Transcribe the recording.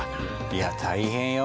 いや大変よ。